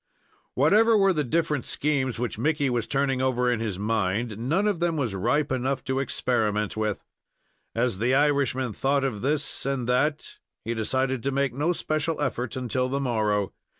Whatever were the different schemes which Mickey was turning over in his mind, none of them was ripe enough to experiment with. As the Irishman thought of this and that, he decided to make no special effort until the morrow.